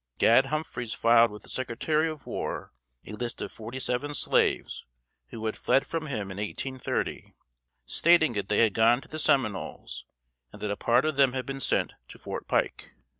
Gad Humphreys filed with the Secretary of War a list of forty seven slaves who had fled from him in 1830, stating that they had gone to the Seminoles, and that a part of them had been sent to Fort Pike.